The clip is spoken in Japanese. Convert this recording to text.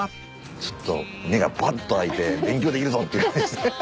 ちょっと目がパッと開いて勉強できるぞって感じで。